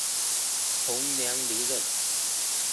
同年离任。